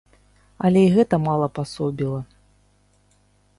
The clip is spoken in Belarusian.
Але і гэта мала пасобіла.